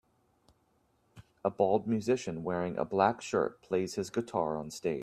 A bald musician wearing a black shirt plays his guitar on stage.